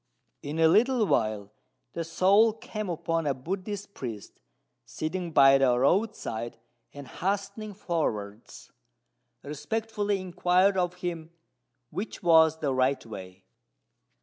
In a little while the soul came upon a Buddhist priest sitting by the roadside, and, hastening forwards, respectfully inquired of him which was the right way.